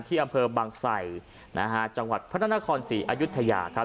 ที่อำเภอบังสัยนะฮะจังหวัดพระนาคอร์สี่อายุทยาครับ